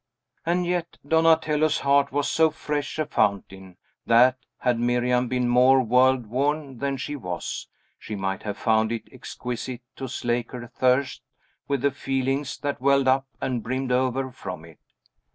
And yet Donatello's heart was so fresh a fountain, that, had Miriam been more world worn than she was, she might have found it exquisite to slake her thirst with the feelings that welled up and brimmed over from it.